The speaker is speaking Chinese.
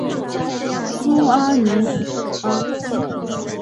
苏阿尼阿。